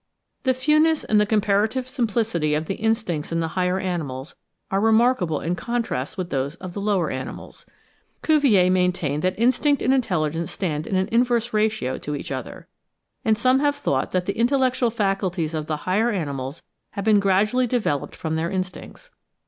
The fewness and the comparative simplicity of the instincts in the higher animals are remarkable in contrast with those of the lower animals. Cuvier maintained that instinct and intelligence stand in an inverse ratio to each other; and some have thought that the intellectual faculties of the higher animals have been gradually developed from their instincts.